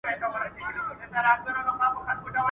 o د انا اوگره ده په څکلو خلاصه سوه.